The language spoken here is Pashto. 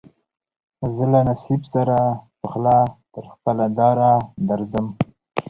زه له نصیب سره پخلا تر خپله داره درځم